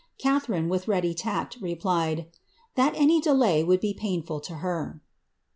Catharine, with ready tact, replied, my delay would be painful to her.'"